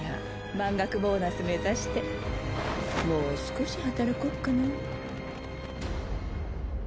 満額ボーナス目指してもう少し働こっかな。